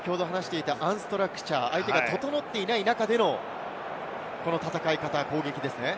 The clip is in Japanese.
アンストラクチャー、相手が整っていない中での戦い方・攻撃ですね。